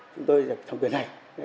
chúng tôi sẽ thông quyền này